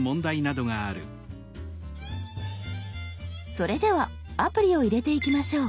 それではアプリを入れていきましょう。